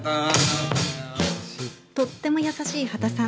とっても優しい刄田さん。